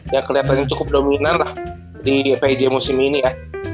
ya kelihatannya cukup dominan lah di veg musim ini ya